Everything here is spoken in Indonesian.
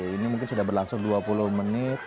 ini mungkin sudah berlangsung dua puluh menit